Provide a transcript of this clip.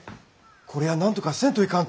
こりゃなんとかせんといかんと！